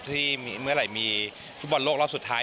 ที่เมื่อไหร่มีฟุตบอลโลกรอบสุดท้าย